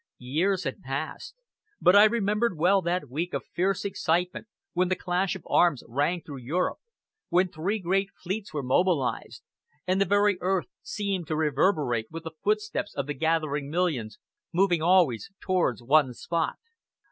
Years had passed, but I remembered well that week of fierce excitement when the clash of arms rang through Europe, when three great fleets were mobilized, and the very earth seemed to reverberate with the footsteps of the gathering millions, moving always towards one spot.